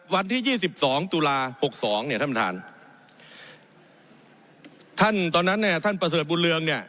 วันที่ยี่สิบสองตุลาหกสองเนี่ยท่านประธานท่านตอนนั้นเนี่ยท่านประเสริฐบุญเรืองเนี่ย